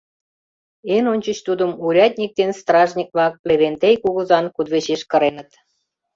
Эн ончыч тудым урядник ден стражник-влак Левентей кугызан кудывечеш кыреныт.